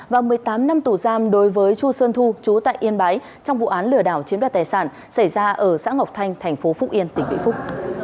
và một mươi tám năm tù giam đối với chu xuân thu chú tại yên bái trong vụ án lừa đảo chiếm đoạt tài sản xảy ra ở xã ngọc thanh thành phố phúc yên tỉnh vĩnh phúc